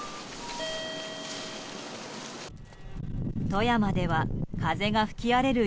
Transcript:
富山では風が吹き荒れる